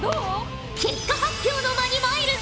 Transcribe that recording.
結果発表の間にまいるぞ。